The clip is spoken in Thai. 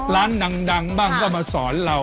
ร้านดังบ้างก็มาสอนเรา